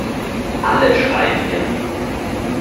Alle schreien hier!